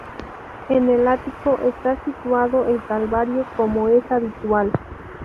En el ático está situado el Calvario como es habitual.